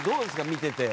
見てて。